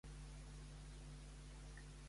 Puc veure vídeos de "Polseres vermelles" a YouTube?